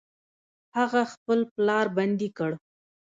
هغه خپل پلار بندي کړ.